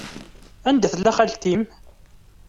Anda tella xalti-m?